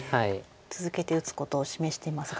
続けて打つことを示していますが。